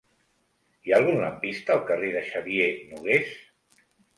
Hi ha algun lampista al carrer de Xavier Nogués?